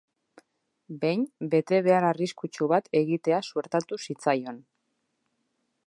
Behin, betebehar arriskutsu bat egitea suertatu zitzaion.